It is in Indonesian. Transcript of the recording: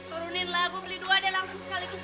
kuruninlah bu beli dua deh langsung sekaligus